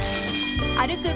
［歩く